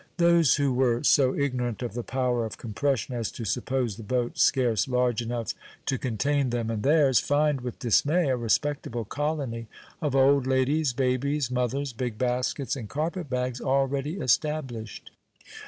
Those who were so ignorant of the power of compression as to suppose the boat scarce large enough to contain them and theirs, find, with dismay, a respectable colony of old ladies, babies, mothers, big baskets, and carpet bags already established.